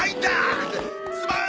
すまん！